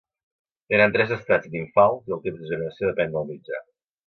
Tenen tres estats nimfals i el temps de generació depèn del mitjà.